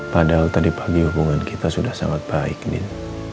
padahal tadi pagi hubungan kita sudah sangat baik gitu